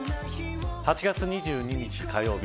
８月２２日火曜日